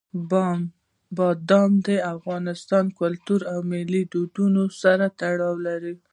بادام د افغان کلتور او ملي دودونو سره تړاو لري.